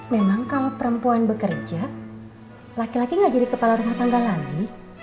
memang kalau perempuan bekerja laki laki gak jadi kepala rumah tangga lagi